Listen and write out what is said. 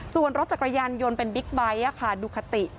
ส่วนรถจักรยานยนต์เป็นบิ๊กไบท์ดูคติ